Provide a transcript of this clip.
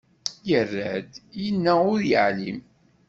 Yerra-d, yenna ur yeεlim.